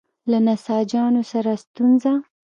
له نساجانو سره ستونزه.